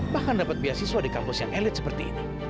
bahkan dapat beasiswa di kampus yang elit seperti ini